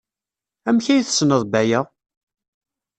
Amek ay tessneḍ Baya?